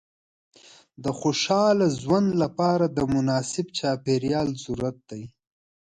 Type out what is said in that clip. د خوشحاله ژوند لپاره د مناسب چاپېریال ضرورت دی.